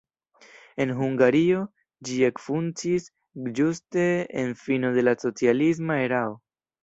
En Hungario ĝi ekfunkciis ĝuste en fino de la socialisma erao.